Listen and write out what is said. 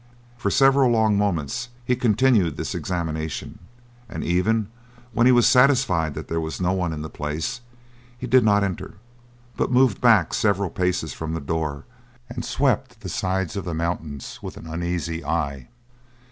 For several long moments he continued this examination, and even when he was satisfied that there was no one in the place he did not enter, but moved back several paces from the door and swept the sides of the mountains with an uneasy eye.